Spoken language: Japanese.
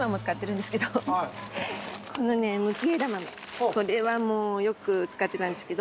これをこれはもうよく使ってたんですけど。